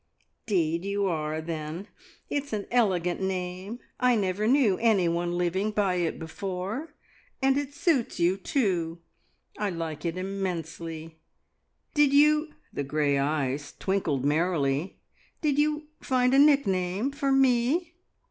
"'Deed, you are, then! It's an elegant name. I never knew anyone living by it before, and it suits you, too. I like it immensely. Did you," the grey eyes twinkled merrily "did you find a nickname for me?"